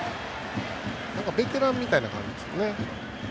ベテランみたいな感じですね。